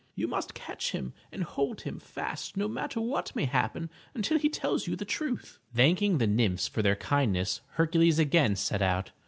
You must catch him and hold him fast no matter what may happen until he tells you the truth." Thanking the nymphs for their kindness, Hercules again set out.